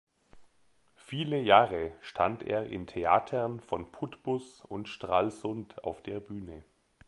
Viele Jahre stand er in Theatern von Putbus und Stralsund auf der Bühne.